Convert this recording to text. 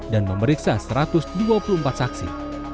dan memeriksa satu ratus dua puluh empat saksi